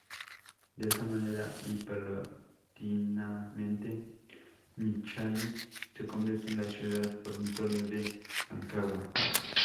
De esta manera, y paulatinamente, Machalí se convierte en la ciudad dormitorio de Rancagua.